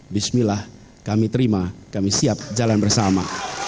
bismillah kami terima kami siap jalan bersama